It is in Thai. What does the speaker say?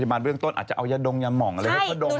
อาจจะเอายะดงยะหมองเมาะดง